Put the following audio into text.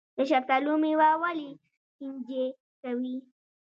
د شفتالو میوه ولې چینجي کوي؟